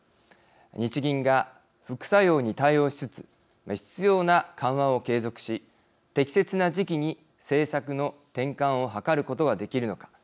日銀が副作用に対応しつつ必要な緩和を継続し適切な時期に政策の転換を図ることができるのか。